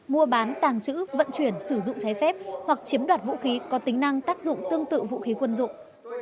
mua bán tàng trữ vận chuyển sử dụng trái phép hoặc chiếm đoạt vũ khí có tính năng tác dụng tương tự vũ khí quân dụng